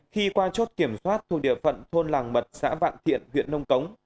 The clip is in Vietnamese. khi qua chốt kiểm soát thuộc địa phận thôn làng mật xã vạn thiện huyện nông cống